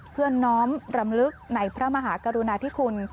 เพื่อน้อมรำลึกในพระมหากรุณาธิคุณ